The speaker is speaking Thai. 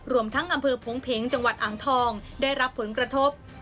รวมทั้งอำเภอพงเพงจังหวัดอ่างทองได้รับผลกระทบ